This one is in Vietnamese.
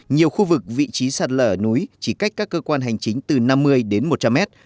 nhiều khu vực vị trí sạt lở núi chỉ cách các cơ quan hành chính từ năm mươi đến một trăm linh mét